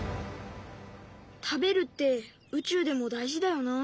食べるって宇宙でも大事だよな。